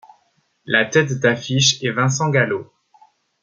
La tête d'affiche est Vincent Gallo.